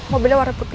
mobil warna putih